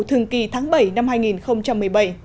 thường kỳ tháng bảy năm hai nghìn một mươi bảy